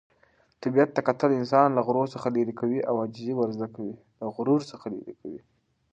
طبیعت ته کتل انسان له غرور څخه لیرې کوي او عاجزي ور زده کوي.